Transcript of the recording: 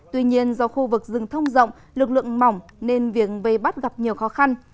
tuy nhiên do khu vực rừng thông rộng lực lượng mỏng nên việc vây bắt gặp nhiều khó khăn